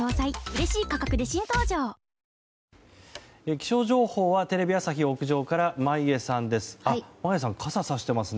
気象情報はテレビ朝日屋上、眞家さんです。